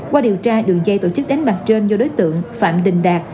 qua điều tra đường dây tổ chức đánh bạc trên do đối tượng phạm đình đạt